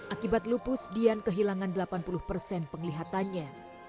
akibat lupus dian kehilangan delapan puluh persen penglihatannya